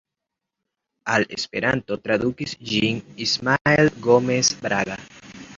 Al Esperanto tradukis ĝin Ismael Gomes Braga.